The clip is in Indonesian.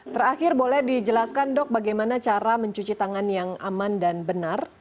terakhir boleh dijelaskan dok bagaimana cara mencuci tangan yang aman dan benar